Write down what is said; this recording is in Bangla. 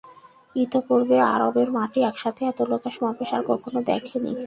ইতোপূর্বে আরবের মাটি একসাথে এত লোকের সমাবেশ আর কখনো দেখেনি।